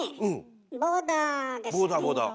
ボーダーですよね。